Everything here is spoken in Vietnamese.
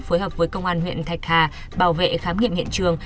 phối hợp với công an huyện thạch hà bảo vệ khám nghiệm hiện trường